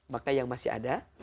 maka yang masih ada